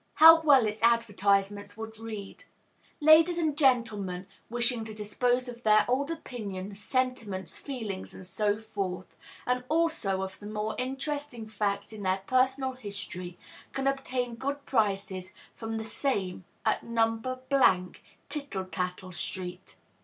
How well its advertisements would read: "Ladies and gentlemen wishing to dispose of their old opinions, sentiments, feelings, and so forth, and also of the more interesting facts in their personal history, can obtain good prices for the same at No. Tittle tattle street.